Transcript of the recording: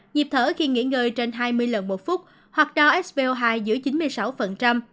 nhịp thở khi nghỉ ngơi trên hai mươi lần một phút hoặc đo spo hai giữa chín mươi sáu